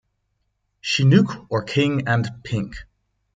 Chinook or King, and Pink.